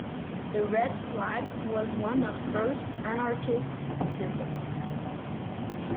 The red flag was one of first anarchist symbols.